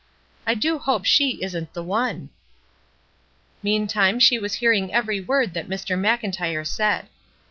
I do hope she isn't the one." Meantime, she was hearing every word that Mr. Mclntyre said.